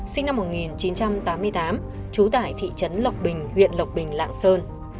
sinh năm một nghìn chín trăm tám mươi tám trú tại thị trấn lộc bình huyện lộc bình lạng sơn